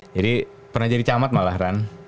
jadi pernah jadi camat malah ran